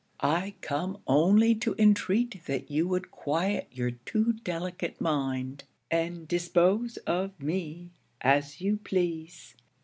I come only to entreat that you would quiet your too delicate mind; and dispose of me as you please.